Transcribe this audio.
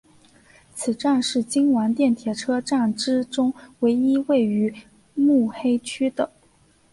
此站是京王电铁车站之中唯一位于目黑区的。